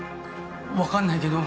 わかんないけど。